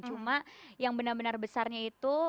cuma yang benar benar besarnya itu